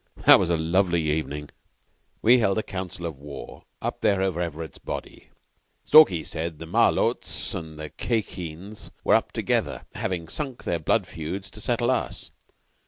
That was a lovely evening." "We held a council of war up there over Everett's body. Stalky said the Malôts and Khye Kheens were up together; havin' sunk their blood feuds to settle us.